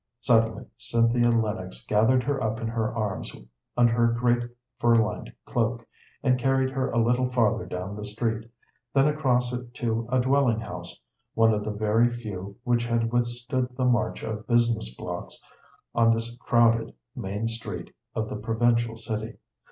Suddenly Cynthia Lennox gathered her up in her arms under her great fur lined cloak, and carried her a little farther down the street, then across it to a dwelling house, one of the very few which had withstood the march of business blocks on this crowded main street of the provincial city.